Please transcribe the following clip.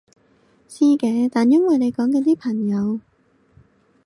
知嘅，但因為你講緊啲朋友